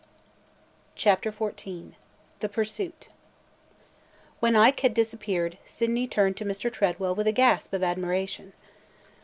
CHAPTER XIV THE PURSUIT WHEN Ike had disappeared, Sydney turned to Mr. Tredwell with a gasp of admiration.